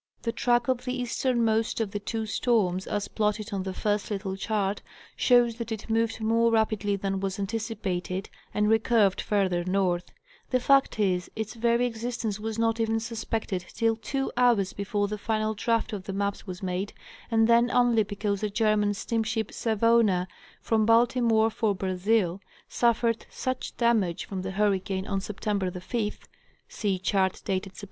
'The track of the easternmost of the two storms, as plotted on the first little chart, shows that it moved more rapidly than was antici pated, and recurved farther north: the fact is, its very exist ence was not even suspected till two hours before the final draft of the maps was made, and then only because the German steam ship "Savona," from Baltimore for Brazil, suffered such damage from the hurricane on Sept. 5th (see chart dated Sept.